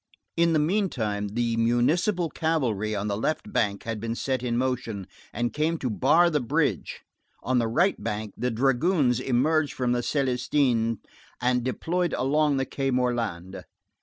In the meantime, the municipal cavalry on the left bank had been set in motion, and came to bar the bridge, on the right bank the dragoons emerged from the Célestins and deployed along the Quai Morland.